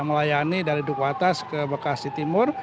melayani dari duku atas ke bekasi timur